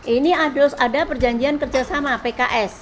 ini harus ada perjanjian kerjasama pks